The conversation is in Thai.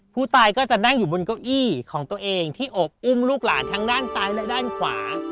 ผู้ตายก็จะนั่งอยู่บนเก้าอี้ของตัวเองที่โอบอุ้มลูกหลานทั้งด้านซ้ายและด้านขวา